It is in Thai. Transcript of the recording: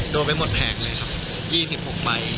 โดนไปหมดแผงเลยครับ๒๖ใบ